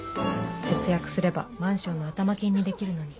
節約すればマンションの頭金にできるのに